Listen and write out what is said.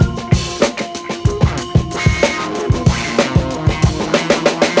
nggak ada yang denger